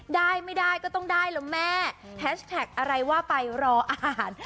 ได้ไม่ได้ก็ต้องได้แล้วแม่แฮชแท็กอะไรว่าไปรออาหาร